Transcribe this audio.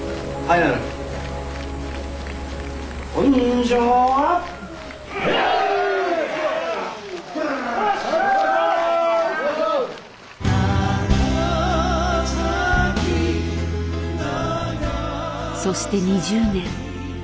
「長崎」そして２０年。